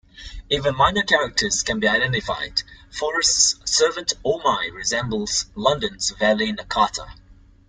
Even minor characters can be identified; Forrest's servant Oh My resembles London's valet Nakata.